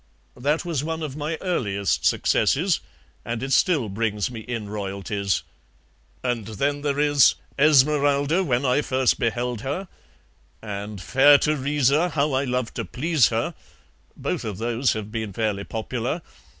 That was one of my earliest successes, and it still brings me in royalties. And then there is 'Esmeralda, when I first beheld her,' and 'Fair Teresa, how I love to please her,' both of those have been fairly popular.